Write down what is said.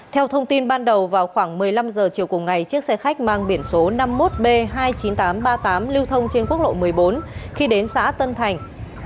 theo thông tin ban đầu vào khoảng một mươi năm h chiều cùng ngày chiếc xe khách mang biển số năm mươi một b hai mươi chín nghìn tám trăm ba mươi tám lưu thông trên quốc lộ một mươi bốn khi đến xã tân thành